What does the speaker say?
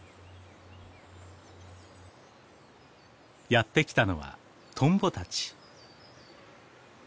やって来たのはトンボたち。